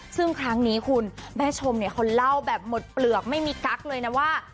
ซึ่งครั้งนี้คุณแม่ชมเนี่ยเขาเล่าแบบหมดเปลือกไม่มีกั๊กเลยนะว่า